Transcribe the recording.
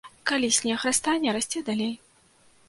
Калі снег растане, расце далей.